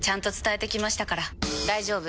大丈夫！